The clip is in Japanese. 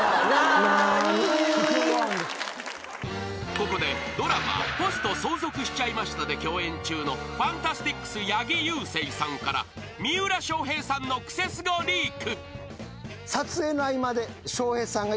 ［ここでドラマ『ホスト相続しちゃいました』で共演中のＦＡＮＴＡＳＴＩＣＳ八木勇征さんから三浦翔平さんのクセスゴリーク］